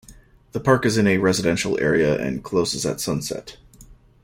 The park is in a residential area and closes at sunset.